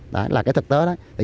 đó là cái thực tế đó